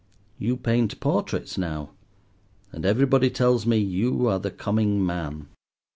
You paint portraits now, and everybody tells me you are the coming man.